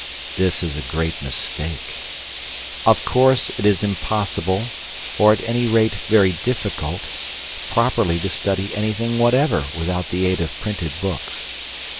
This is a great mistake. Of course it is impossible, or at any rate very difficult, properly to study anything whatever without the aid of printed books.